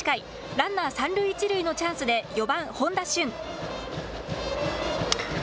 ランナー、三塁一塁のチャンスで４番・本多駿。